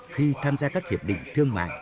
khi tham gia các hiệp định thương mại